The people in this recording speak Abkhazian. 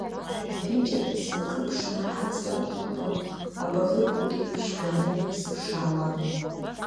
Аԥенџьыр сынкылԥшны, аҵла иқәтәоу абаӷырқәагьы ԥшьбаны исыԥшаауан.